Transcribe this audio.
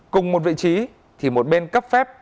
cùng một vị trí thì một bên cấp phép